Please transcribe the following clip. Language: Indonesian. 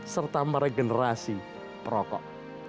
serta meregenerasi rokok